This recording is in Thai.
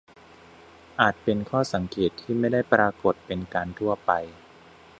อาจเป็นข้อสังเกตที่ไม่ได้ปรากฏเป็นการทั่วไป